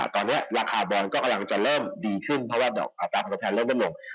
ตอนนี้ราคาบอลก็กำลังจะเริ่มดีขึ้นเพราะว่าดอกอัตราผลตอบแทนเริ่มลดลง